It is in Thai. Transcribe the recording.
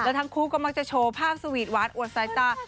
แล้วทั้งครูก็มาจะโชว์ภาพสวีทวัดอวดซ้ายตา